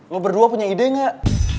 lo berdua punya ide gak